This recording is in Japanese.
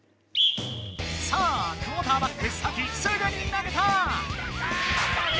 さあクオーターバックサキすぐに投げた！